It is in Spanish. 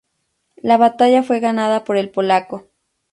La batalla fue ganada por el polaco.